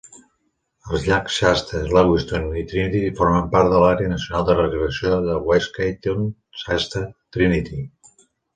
Els llacs Shasta, Lewiston i Trinity formen part de l'Àrea Nacional de Recreació de Whiskeytown-Shasta-Trinity.